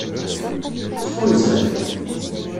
Sfunzer.